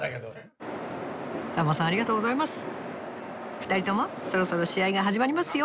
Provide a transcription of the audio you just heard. ２人ともそろそろ試合が始まりますよ。